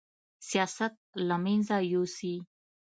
سیاست له منځه یوسي